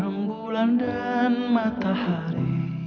bermbulan dan matahari